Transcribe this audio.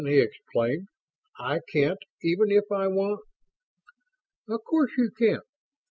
he exclaimed. "I can't, even if I want...." "Of course you can't."